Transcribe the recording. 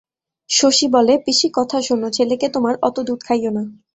শশী বলে, পিসি কথা শোনো, ছেলেকে তোমার অত দুধ খাইও না।